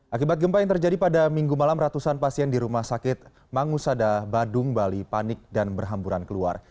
akibat gempa yang terjadi pada minggu malam ratusan pasien di rumah sakit mangusada badung bali panik dan berhamburan keluar